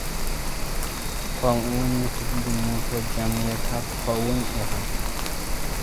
ከምኡውን ኽትግምት ጀሚርካ ትኸውን ኢኻ።